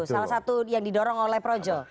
salah satu yang didorong oleh projo